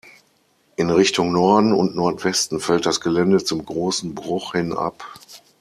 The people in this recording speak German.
In Richtung Norden und Nordwesten fällt das Gelände zum Großen Bruch hin ab.